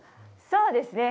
そうですね。